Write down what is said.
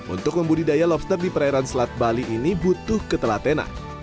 untuk membudidaya lobster di perairan selat bali ini butuh ketelatenan